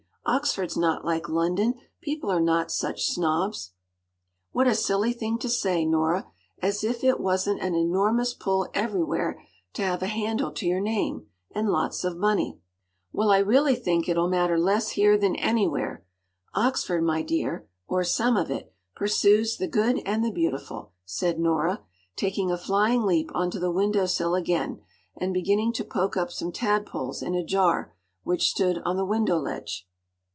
Oxford’s not like London. People are not such snobs.” “What a silly thing to say, Nora! As if it wasn’t an enormous pull everywhere to have a handle to your name, and lots of money!” “Well, I really think it’ll matter less here than anywhere. Oxford, my dear—or some of it—pursues ‘the good and the beautiful’”—said Nora, taking a flying leap on to the window sill again, and beginning to poke up some tadpoles in a jar, which stood on the window ledge.